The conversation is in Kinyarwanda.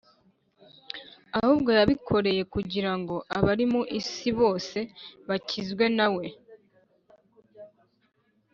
ahubwo yabikoreye kugira ngo abari mu isi bose bakizwe na we.